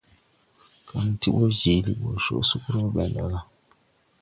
Kaŋ ti ɓɔ jiili coʼ sug rɔɔ ɓɛn ɗala.